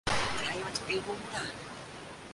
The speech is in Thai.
ใครมันจะไปรู้ละ